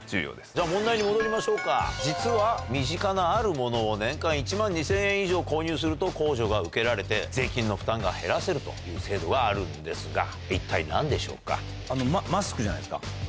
じゃあ問題に戻りましょうか実は身近なあるものを年間１万２０００円以上購入すると控除が受けられて税金の負担が減らせるという制度があるんですが一体何でしょうか？